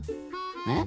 えっ？